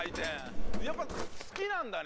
やっぱすきなんだね。